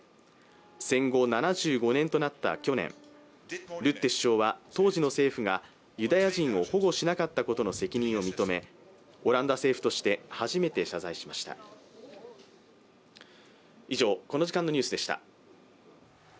戦後７５年となった去年、ルッテ首相は当時の政府がユダヤ人を保護しなかったことの責任を認めオランダ政府として初めて謝罪しました。